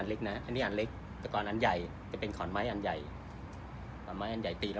แล้วเท่านี้ก็ล่องมาตั้งแต่ปีที่แล้ว